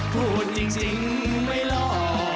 พูดจริงไม่หล่อ